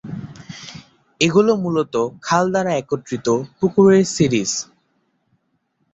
এগুলো মূলত খাল দ্বারা একত্রিত পুকুরের সিরিজ।